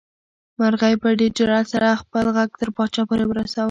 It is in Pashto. مرغۍ په ډېر جرئت سره خپل غږ تر پاچا پورې ورساوه.